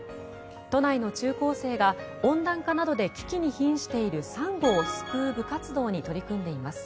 都内の中高生が温暖化などで危機にひんしているサンゴを救う部活動に取り組んでいます。